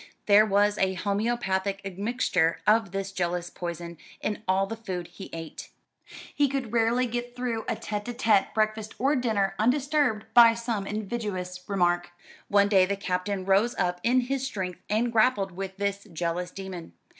There was a homoeopathic admixture of this jealous poison in all the food he ate. He could rarely get through a tête à tête breakfast or dinner undisturbed by some invidious remark. One day the Captain rose up in his strength, and grappled with this jealous demon.